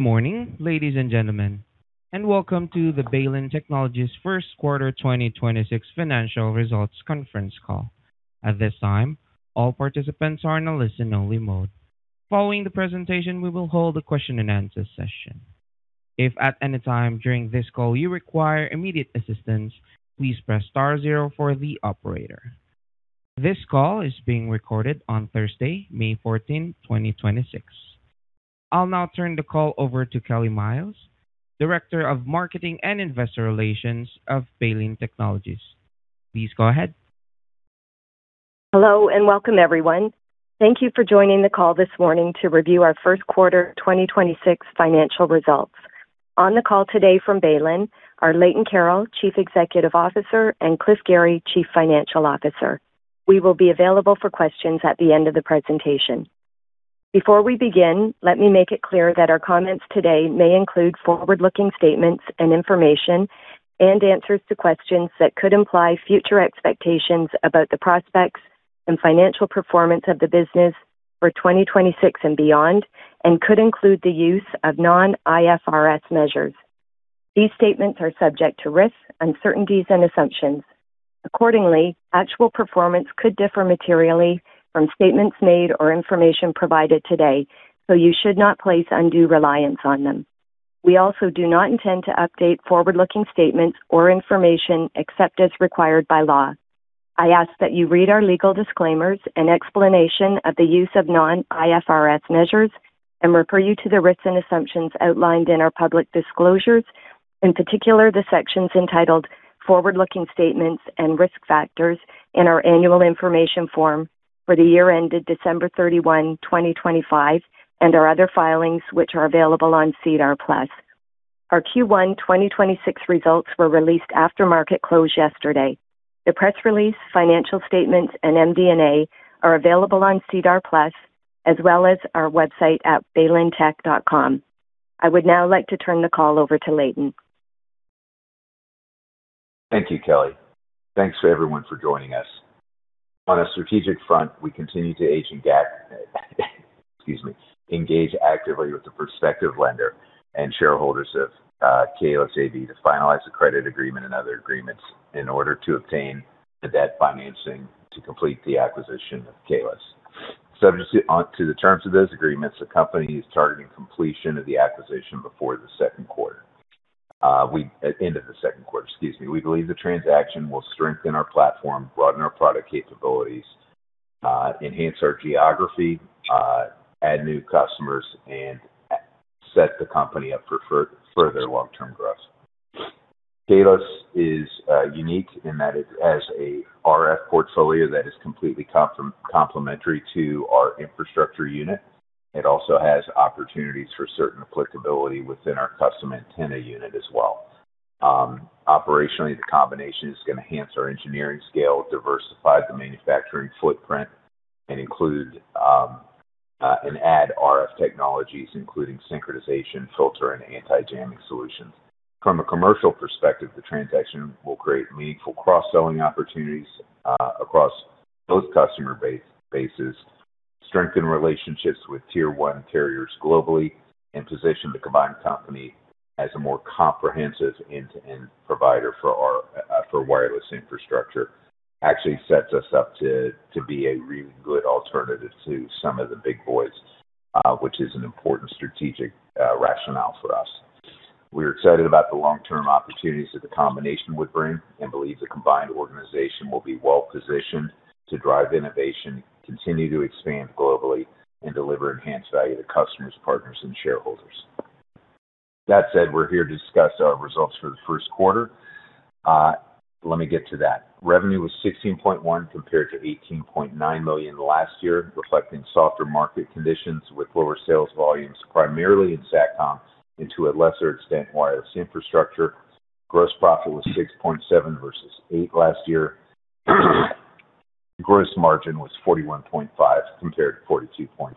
Morning, ladies and gentlemen, and welcome to the Baylin Technologies First Quarter 2026 financial results conference call. At this time, all participants are in a listen-only mode. Following the presentation, we will hold a question-and-answer session. If at any time during this call you require immediate assistance, please press star zero for the operator. This call is being recorded on Thursday, May 14th, 2026. I'll now turn the call over to Kelly Myles, Director of Marketing and Investor Relations of Baylin Technologies. Please go ahead. Hello and welcome, everyone. Thank you for joining the call this morning to review our first quarter 2026 financial results. On the call today from Baylin are Leighton Carroll, Chief Executive Officer, and Cliff Gary, Chief Financial Officer. We will be available for questions at the end of the presentation. Before we begin, let me make it clear that our comments today may include forward-looking statements and information and answers to questions that could imply future expectations about the prospects and financial performance of the business for 2026 and beyond, and could include the use of non-IFRS measures. These statements are subject to risks, uncertainties and assumptions. Accordingly, actual performance could differ materially from statements made or information provided today, so you should not place undue reliance on them. We also do not intend to update forward-looking statements or information except as required by law. I ask that you read our legal disclaimers and explanation of the use of non-IFRS measures and refer you to the risks and assumptions outlined in our public disclosures, in particular the sections entitled Forward-Looking Statements and Risk Factors in our annual information form for the year ended December 31st, 2025. Our other filings, which are available on SEDAR+. Our Q1 2026 results were released after market close yesterday. The press release, financial statements, and MD&A are available on SEDAR+ as well as our website at baylintech.com. I would now like to turn the call over to Leighton. Thank you, Kelly. Thanks for everyone for joining us. On a strategic front, we continue to Excuse me. Engage actively with the prospective lender and shareholders of Kaelus AB to finalize the credit agreement and other agreements in order to obtain the debt financing to complete the acquisition of Kaelus. Subject to the terms of those agreements, the company is targeting completion of the acquisition before the second quarter. At the end of the second quarter, excuse me. We believe the transaction will strengthen our platform, broaden our product capabilities, enhance our geography, add new customers, and set the company up for further long-term growth. Kaelus is unique in that it has a RF portfolio that is completely complementary to our infrastructure unit. It also has opportunities for certain applicability within our custom antenna unit as well. Operationally, the combination is gonna enhance our engineering scale, diversify the manufacturing footprint, and include, and add RF technologies, including synchronization, filter, and anti-jamming solutions. From a commercial perspective, the transaction will create meaningful cross-selling opportunities across both customer bases, strengthen relationships with Tier 1 carriers globally, and position the combined company as a more comprehensive end-to-end provider for our for wireless infrastructure. Actually sets us up to be a really good alternative to some of the big boys, which is an important strategic rationale for us. We're excited about the long-term opportunities that the combination would bring and believe the combined organization will be well-positioned to drive innovation, continue to expand globally, and deliver enhanced value to customers, partners, and shareholders. That said, we're here to discuss our results for the first quarter. Let me get to that. Revenue was 16.1 compared to 18.9 million last year, reflecting softer market conditions with lower sales volumes, primarily in Satcom and to a lesser extent, wireless infrastructure. Gross profit was 6.7 million versus 8 million last year. Gross margin was 41.5% compared to 42.4%.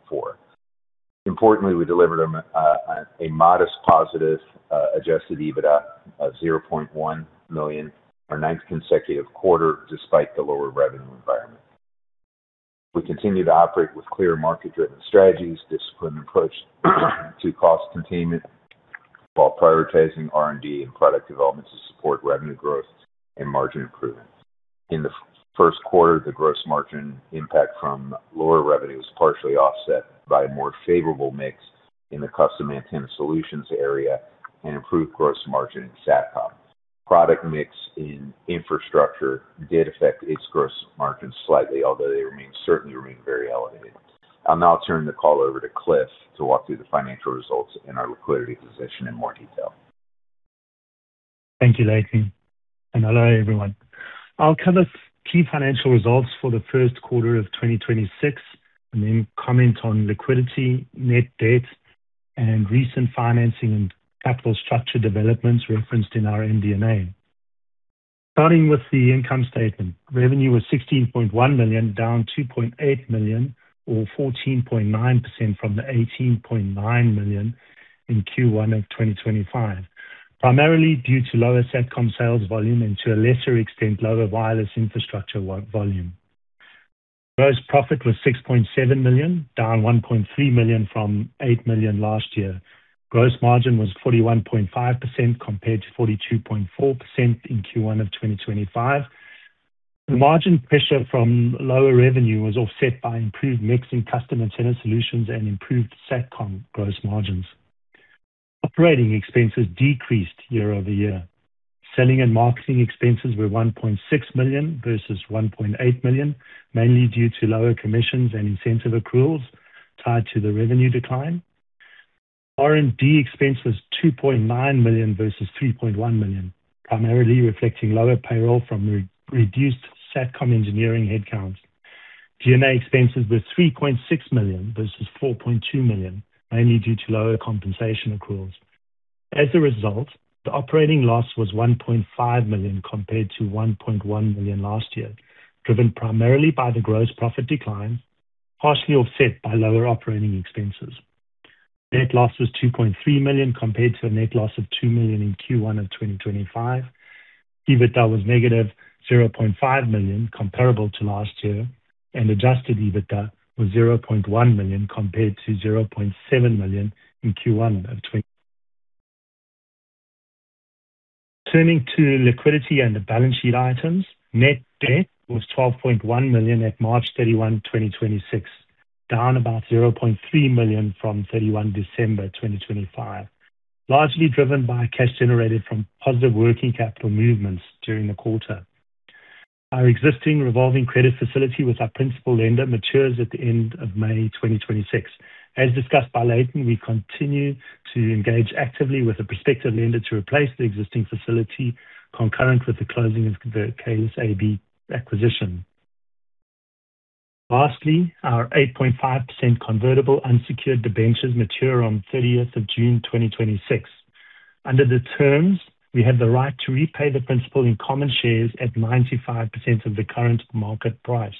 Importantly, we delivered a modest positive adjusted EBITDA of 0.1 million, our ninth consecutive quarter despite the lower revenue environment. We continue to operate with clear market-driven strategies, disciplined approach to cost containment, while prioritizing R&D and product development to support revenue growth and margin improvement. In the first quarter, the gross margin impact from lower revenue was partially offset by a more favorable mix in the custom antenna solutions area and improved gross margin in Satcom. Product mix in infrastructure did affect its gross margin slightly, although they certainly remain very elevated. I'll now turn the call over to Cliff to walk through the financial results and our liquidity position in more detail. Thank you, Leighton, and hello, everyone. I'll cover key financial results for the first quarter of 2026 and then comment on liquidity, net debt, and recent financing and capital structure developments referenced in our MD&A. Starting with the income statement, revenue was 16.1 million, down 2.8 million or 14.9% from the 18.9 million in Q1 of 2025, primarily due to lower Satcom sales volume and to a lesser extent, lower wireless infrastructure volume. Gross profit was 6.7 million, down 1.3 million from 8 million last year. Gross margin was 41.5% compared to 42.4% in Q1 of 2025. The margin pressure from lower revenue was offset by improved mixing custom antenna solutions and improved Satcom gross margins. Operating expenses decreased year-over-year. Selling and marketing expenses were 1.6 million versus 1.8 million, mainly due to lower commissions and incentive accruals tied to the revenue decline. R&D expense was 2.9 million versus 3.1 million, primarily reflecting lower payroll from re-reduced Satcom engineering headcounts. G&A expenses were 3.6 million versus 4.2 million, mainly due to lower compensation accruals. As a result, the operating loss was 1.5 million compared to 1.1 million last year, driven primarily by the gross profit decline, partially offset by lower operating expenses. Net loss was 2.3 million compared to a net loss of 2 million in Q1 of 2025. EBITDA was -0.5 million comparable to last year, and adjusted EBITDA was 0.1 million compared to 0.7 million in Q1 of 2025. Turning to liquidity and the balance sheet items. Net debt was 12.1 million at March 31, 2026, down about 0.3 million from December 31st, 2025, largely driven by cash generated from positive working capital movements during the quarter. Our existing revolving credit facility with our principal lender matures at the end of May 2026. As discussed by Leighton, we continue to engage actively with a prospective lender to replace the existing facility concurrent with the closing of the KSAB acquisition. Our 8.5% convertible unsecured debentures mature on June 30th, 2026. Under the terms, we have the right to repay the principal in common shares at 95% of the current market price.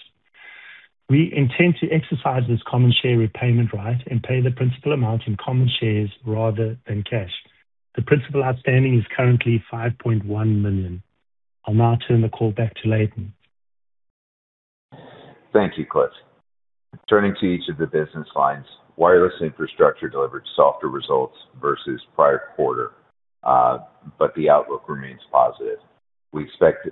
We intend to exercise this common share repayment right and pay the principal amount in common shares rather than cash. The principal outstanding is currently 5.1 million. I'll now turn the call back to Leighton. Thank you, Cliff. Turning to each of the business lines. Wireless infrastructure delivered softer results versus prior quarter, but the outlook remains positive. We expect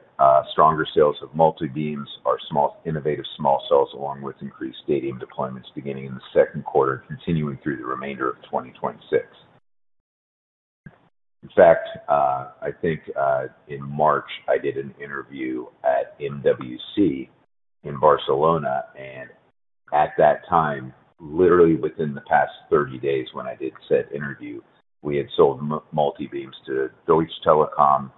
stronger sales of multibeam, our small innovative small cells, along with increased stadium deployments beginning in the second quarter, continuing through the remainder of 2026. In fact, I think in March, I did an interview at MWC in Barcelona, and at that time, literally within the past 30 days when I did said interview, we had sold multibeam to Deutsche Telekom,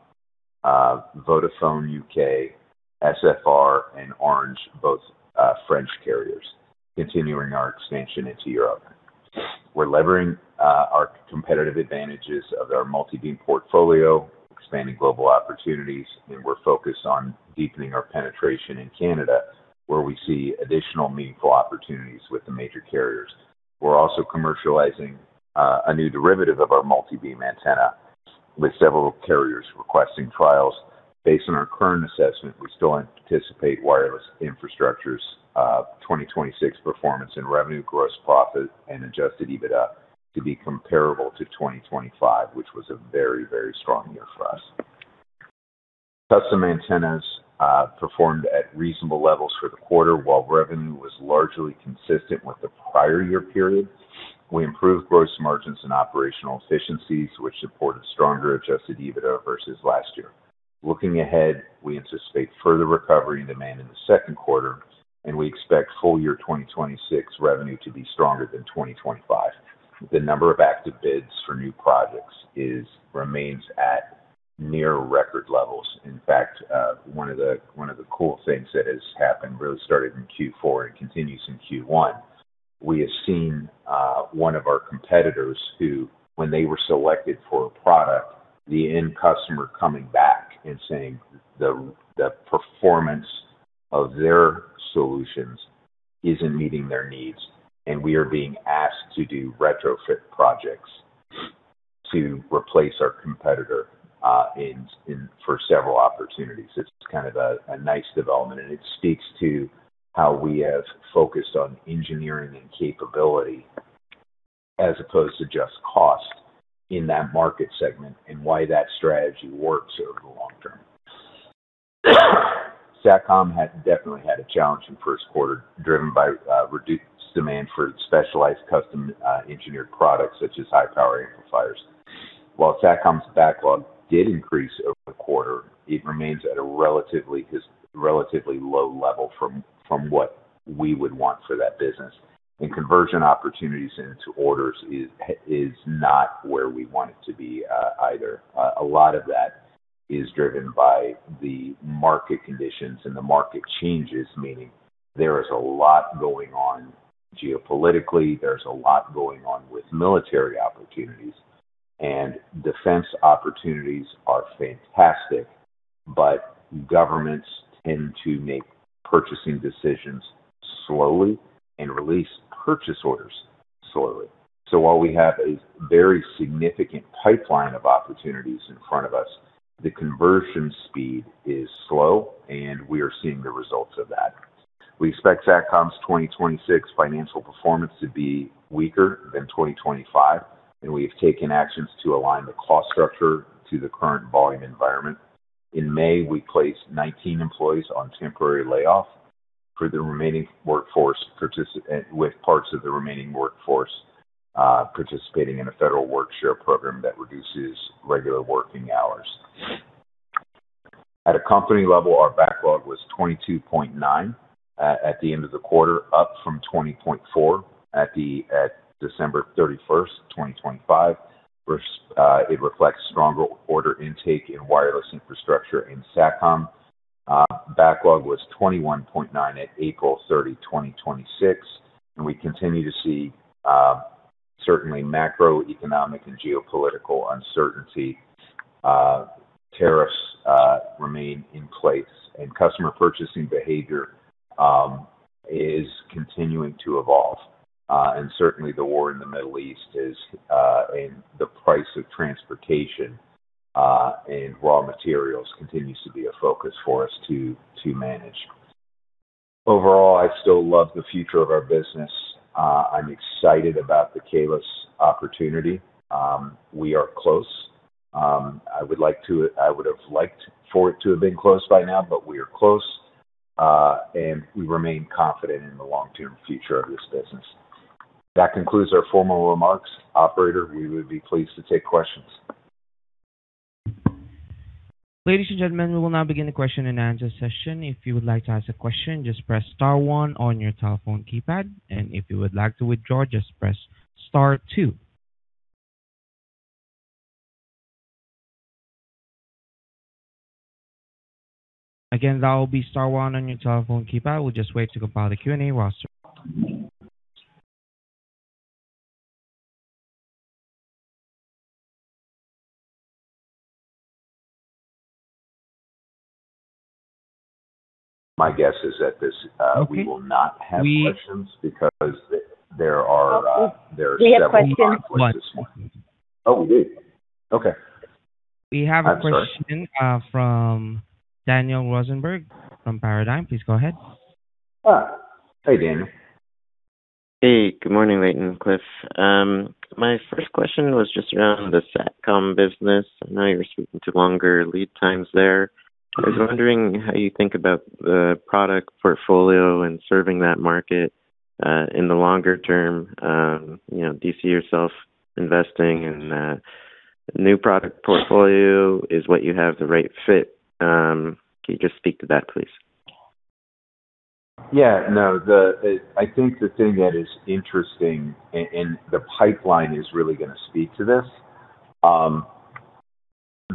Vodafone UK, SFR and Orange, both French carriers, continuing our expansion into Europe. We're levering our competitive advantages of our multibeam portfolio, expanding global opportunities, and we're focused on deepening our penetration in Canada, where we see additional meaningful opportunities with the major carriers. We're also commercializing a new derivative of our multibeam antenna, with several carriers requesting trials. Based on our current assessment, we still anticipate wireless infrastructure's 2026 performance in revenue, gross profit and adjusted EBITDA to be comparable to 2025, which was a very, very strong year for us. Custom antennas performed at reasonable levels for the quarter. While revenue was largely consistent with the prior year period, we improved gross margins and operational efficiencies, which supported stronger adjusted EBITDA versus last year. Looking ahead, we anticipate further recovery in demand in the second quarter, and we expect full year 2026 revenue to be stronger than 2025. The number of active bids for new projects remains at near record levels. In fact, one of the cool things that has happened really started in Q4 and continues in Q1. We have seen one of our competitors who, when they were selected for a product, the end customer coming back and saying the performance of their solutions isn't meeting their needs, and we are being asked to do retrofit projects to replace our competitor in for several opportunities. It's kind of a nice development, and it speaks to how we have focused on engineering and capability as opposed to just cost in that market segment and why that strategy works over the long term. Satcom definitely had a challenge in first quarter, driven by reduced demand for specialized custom engineered products such as high power amplifiers. While Satcom's backlog did increase over the quarter, it remains at a relatively low level from what we would want for that business. Conversion opportunities into orders is not where we want it to be either. A lot of that is driven by the market conditions and the market changes, meaning there is a lot going on geopolitically, there's a lot going on with military opportunities. Defense opportunities are fantastic, but governments tend to make purchasing decisions slowly and release purchase orders slowly. While we have a very significant pipeline of opportunities in front of us, the conversion speed is slow, and we are seeing the results of that. We expect Satcom's 2026 financial performance to be weaker than 2025, and we have taken actions to align the cost structure to the current volume environment. In May, we placed 19 employees on temporary layoff for the remaining workforce with parts of the remaining workforce participating in a federal work share program that reduces regular working hours. At a company level, our backlog was 22.9 million at the end of the quarter, up from 20.4 million at December 31st, 2025. It reflects stronger order intake in wireless infrastructure in Satcom. Backlog was 21.9 million at April 30th, 2026, and we continue to see certainly macroeconomic and geopolitical uncertainty. Tariffs remain in place, and customer purchasing behavior is continuing to evolve. Certainly the war in the Middle East is, and the price of transportation and raw materials continues to be a focus for us to manage. Overall, I still love the future of our business. I'm excited about the Kaelus opportunity. We are close. I would have liked for it to have been close by now, but we are close, and we remain confident in the long-term future of this business. That concludes our formal remarks. Operator, we would be pleased to take questions. Ladies and gentlemen, we will now begin the question-and-answer session. If you would like to ask a question, just press star one on your telephone keypad. If you would like to withdraw, just press star two. Again, that will be star one on your telephone keypad. We'll just wait to compile the Q&A roster. My guess is that this, we will not have questions because there are several conflicts this morning. We have questions. Oh, we do? Okay. We have a question. I'm sorry. From Daniel Rosenberg from Paradigm. Please go ahead. Hey, Daniel. Hey, good morning, Leighton, Cliff. My first question was just around the Satcom business. I know you were speaking to longer lead times there. I was wondering how you think about the product portfolio and serving that market in the longer term. You know, do you see yourself investing in a new product portfolio? Is what you have the right fit? Can you just speak to that, please? No, I think the thing that is interesting, and the pipeline is really gonna speak to this.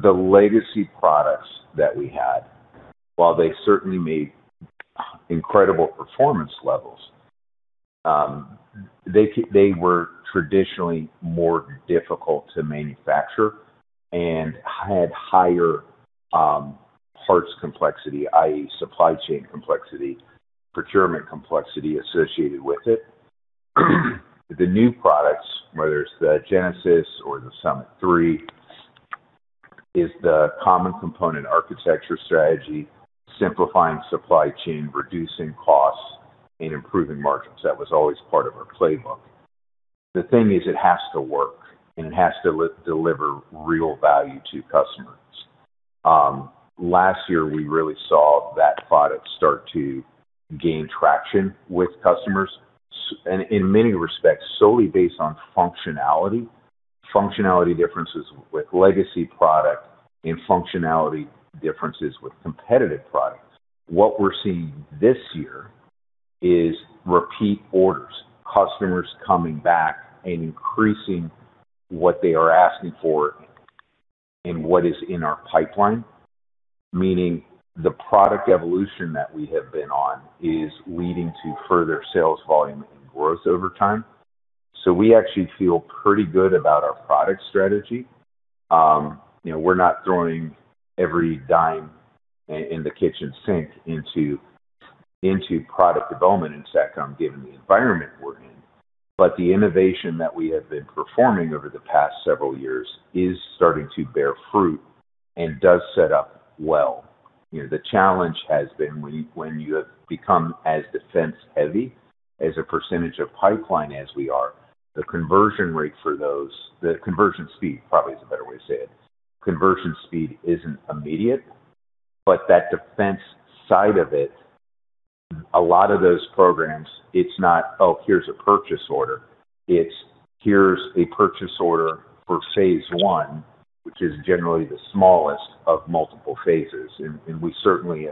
The legacy products that we had, while they certainly made incredible performance levels, they were traditionally more difficult to manufacture and had higher parts complexity, i.e. supply chain complexity, procurement complexity associated with it. The new products, whether it's the Genesis or the Summit III, is the common component architecture strategy, simplifying supply chain, reducing costs, and improving margins. That was always part of our playbook. The thing is it has to work, and it has to deliver real value to customers. Last year, we really saw that product start to gain traction with customers and in many respects, solely based on functionality differences with legacy product and functionality differences with competitive products. What we're seeing this year is repeat orders, customers coming back and increasing what they are asking for and what is in our pipeline, meaning the product evolution that we have been on is leading to further sales volume and growth over time. We actually feel pretty good about our product strategy. You know, we're not throwing every dime in the kitchen sink into product development in Satcom given the environment we're in. The innovation that we have been performing over the past several years is starting to bear fruit and does set up well. You know, the challenge has been when you have become as defense-heavy as a percentage of pipeline as we are, the conversion speed probably is a better way to say it. Conversion speed isn't immediate, that defense side of it, a lot of those programs, it's not, Oh, here's a purchase order. It's, here's a purchase order for phase one, which is generally the smallest of multiple phases. We certainly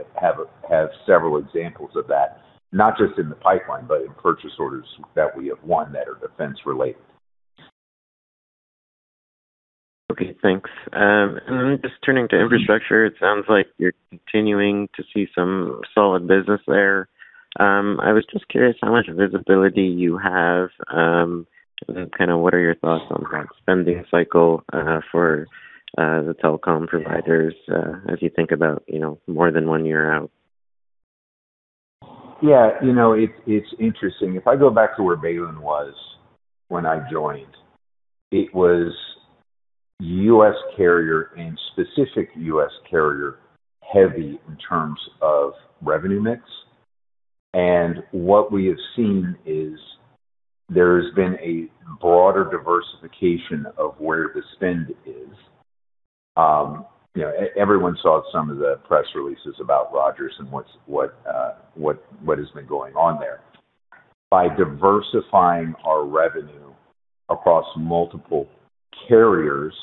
have several examples of that, not just in the pipeline, but in purchase orders that we have won that are defense-related. Okay, thanks. Just turning to infrastructure, it sounds like you're continuing to see some solid business there. I was just curious how much visibility you have, and then kinda what are your thoughts on spending cycle for the telecom providers, as you think about, you know, more than one year out? You know, it's interesting. If I go back to where Baylin was when I joined, it was U.S carrier and specific US carrier-heavy in terms of revenue mix. What we have seen is there has been a broader diversification of where the spend is. You know, everyone saw some of the press releases about Rogers and what has been going on there. By diversifying our revenue across multiple carriers,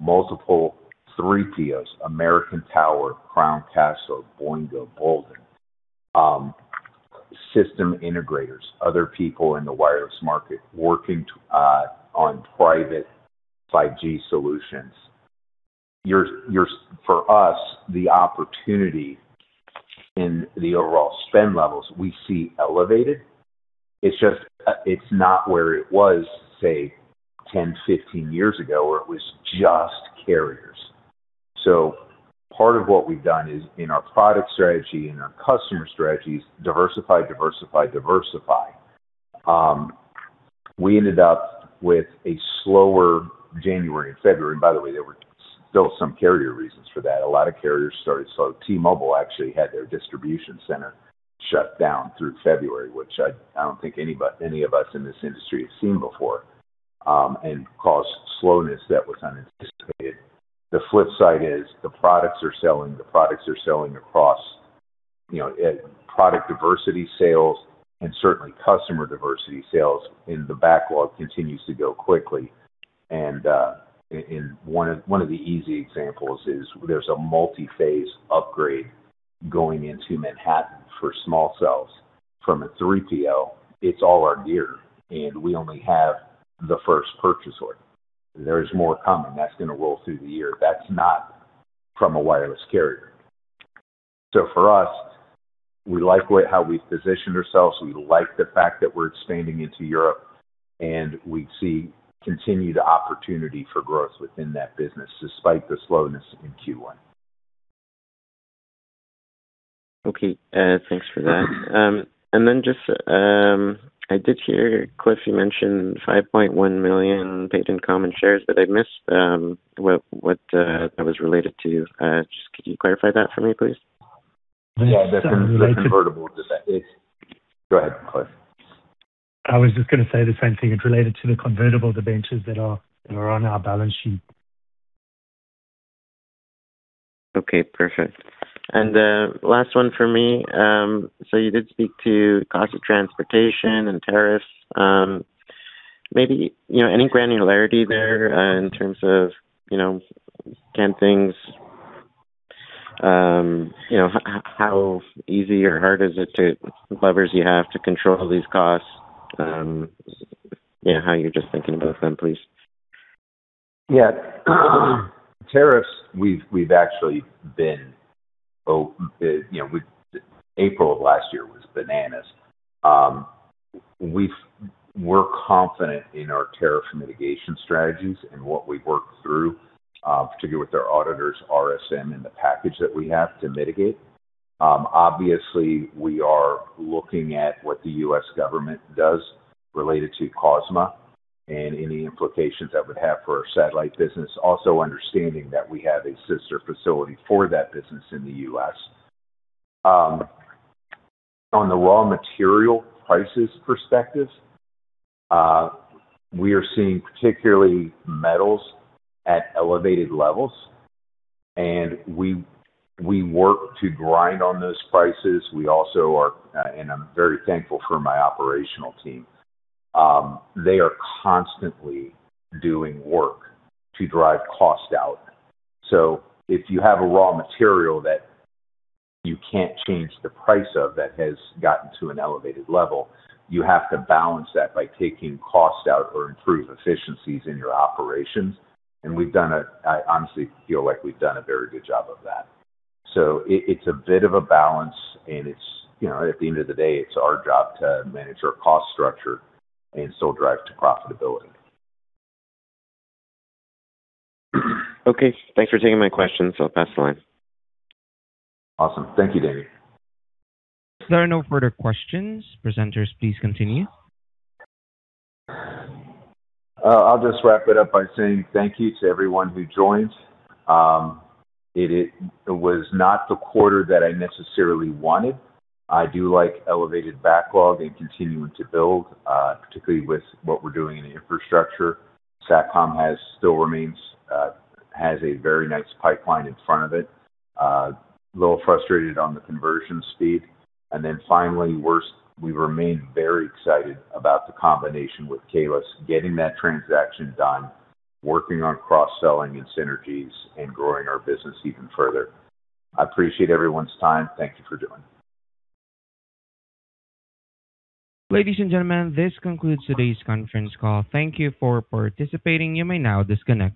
multiple 3POs, American Tower, Crown Castle, Boingo, Boldyn, system integrators, other people in the wireless market working on private 5G solutions. For us, the opportunity in the overall spend levels we see elevated. It's just, it's not where it was, say, 10, 15 years ago, where it was just carriers. Part of what we've done is in our product strategy and our customer strategies, diversify, diversify. We ended up with a slower January and February. By the way, there were still some carrier reasons for that. A lot of carriers started slow. T-Mobile actually had their distribution center shut down through February, which I don't think any of us in this industry have seen before, and caused slowness that was unanticipated. The flip side is the products are selling, the products are selling across, you know, product diversity sales and certainly customer diversity sales, and the backlog continues to go quickly. One of the easy examples is there's a multi-phase upgrade going into Manhattan for small cells from a 3PO. It's all our gear, and we only have the first purchase order. There is more coming that's gonna roll through the year. That's not from a wireless carrier. For us, we like the way how we've positioned ourselves. We like the fact that we're expanding into Europe, and we see continued opportunity for growth within that business despite the slowness in Q1. Okay. Thanks for that. I did hear, Cliff, you mentioned 5.1 million paid-in common shares, but I missed what that was related to. Just could you clarify that for me, please? Yeah, that's in convertible debentures. Go ahead, Cliff. I was just gonna say the same thing. It related to the convertible debentures that are on our balance sheet. Okay, perfect. Last one for me. You did speak to cost of transportation and tariffs. Maybe, you know, any granularity there, in terms of, you know, can things, how easy or hard is it to, levers you have to control these costs? How you're just thinking about them, please. Yeah. Tariffs, we've actually been, you know, April of last year was bananas. We're confident in our tariff mitigation strategies and what we worked through, particularly with our auditors, RSM, and the package that we have to mitigate. Obviously, we are looking at what the US government does related to CUSMA and any implications that would have for our satellite business. Also understanding that we have a sister facility for that business in the US On the raw material prices perspective, we are seeing particularly metals at elevated levels, and we work to grind on those prices. We also are, and I'm very thankful for my operational team, they are constantly doing work to drive cost out. If you have a raw material that you can't change the price of that has gotten to an elevated level, you have to balance that by taking cost out or improve efficiencies in your operations. I honestly feel like we've done a very good job of that. It's a bit of a balance, and it's, you know, at the end of the day, it's our job to manage our cost structure and still drive to profitability. Okay. Thanks for taking my questions. I will pass the line. Awesome. Thank you, Daniel. If there are no further questions, presenters, please continue. I'll just wrap it up by saying thank you to everyone who joined. It was not the quarter that I necessarily wanted. I do like elevated backlog and continuing to build, particularly with what we're doing in the infrastructure. Satcom has a very nice pipeline in front of it. A little frustrated on the conversion speed. Finally, we remain very excited about the combination with Kaelus, getting that transaction done, working on cross-selling and synergies, and growing our business even further. I appreciate everyone's time. Thank you for joining. Ladies and gentlemen, this concludes today's conference call. Thank you for participating. You may now disconnect.